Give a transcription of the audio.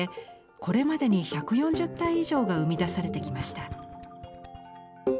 これまでに１４０体以上が生み出されてきました。